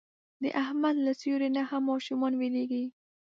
د احمد له سیوري نه هم ماشومان وېرېږي.